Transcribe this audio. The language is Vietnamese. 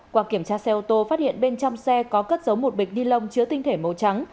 qua kiểm tra xe ô tô phát hiện bên trong xe có cất dấu một bịch ni lông chứa tinh thể màu trắng